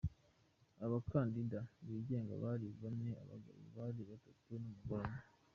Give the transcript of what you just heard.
Abakandida bigenga bari bane, abagabo bari batatu n’umugore umwe.